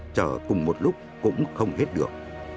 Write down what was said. chờ cùng một lúc cũng không hết được